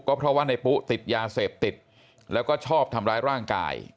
เพราะว่าในปุ๊ติดยาเสพติดแล้วก็ชอบทำร้ายร่างกาย